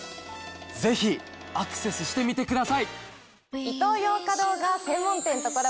ぜひアクセスしてみてください！